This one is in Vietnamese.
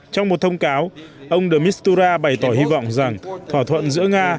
trong một thông cáo ông de mistura bày tỏ hy vọng rằng thỏa thuận giữa nga